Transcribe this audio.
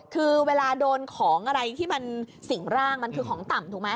คือเวลาโดนของอะไรที่มันสิ่งร่างมันคือของต่ำถูกไหม